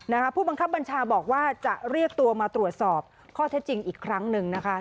ผู้บังคับบัญชาบอกว่าจะเรียกตัวมาตรวจสอบข้อเท็จจริงอีกครั้งหนึ่งนะคะ